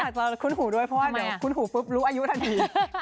อาจจะคุ้นหูด้วยเพราะว่าเดี๋ยวคุ้นหูปุ๊บรู้อายุทันที